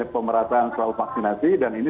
pemerataan soal vaksinasi dan ini